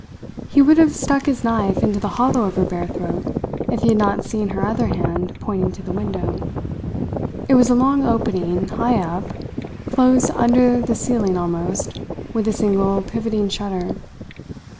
He would have stuck his knife into the hollow of her bare throat if he had not seen her other hand pointing to the window. It was a long opening, high up, close under the ceiling almost, with a single pivoting shutter.